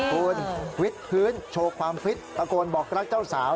คุณวิทย์พื้นโชว์ความฟิตตะโกนบอกรักเจ้าสาว